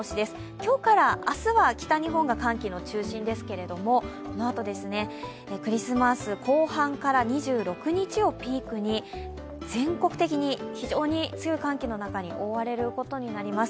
今日から明日は北日本が寒気の中心ですけれども、このあと、クリスマス後半から２６日をピークに全国的に非常に強い寒気の中に覆われることになります。